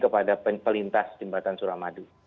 kepada pelintas jembatan suramadu